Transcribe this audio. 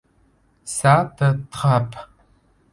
Ça t'attrape.